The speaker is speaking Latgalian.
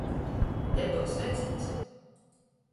Te byus recepts!